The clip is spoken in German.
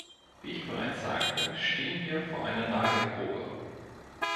Wie ich bereits sagte, stehen wir vor einer Nagelprobe.